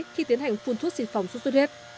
khi tiến hành phun thuốc xịt phòng sốt sốt huyết